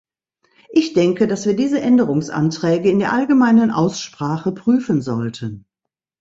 Ich denke, dass wir diese Änderungsanträge in der allgemeinen Aussprache prüfen sollten.